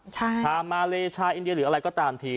ชาวมาเลชายอินเดียหรืออะไรก็ตามที